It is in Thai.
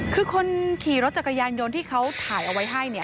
คือคนขี่รถจักรยานยนต์ที่เขาถ่ายเอาไว้ให้เนี่ย